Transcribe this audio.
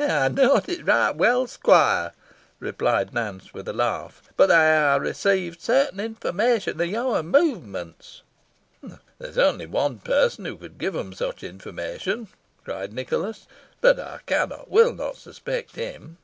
"Ey knoa it weel, squoire," replied Nance, with a laugh; boh they ha received sartin information o' your movements." "There is only one person who could give them such information," cried Nicholas; "but I cannot, will not suspect him."